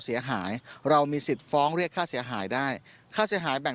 เสียหายเรามีสิทธิ์ฟ้องเรียกค่าเสียหายได้ค่าเสียหายแบ่ง